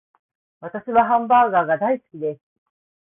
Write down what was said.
私はハンバーガーが大好きです